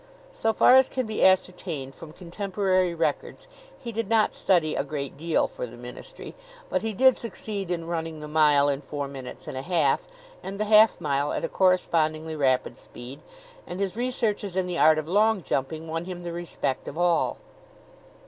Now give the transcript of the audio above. So far as can be ascertained from contemporary records, he did not study a great deal for the ministry; but he did succeed in running the mile in four minutes and a half and the half mile at a correspondingly rapid speed, and his researches in the art of long jumping won him the respect of all.